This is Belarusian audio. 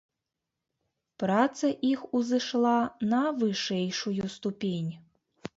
Праца іх узышла на вышэйшую ступень.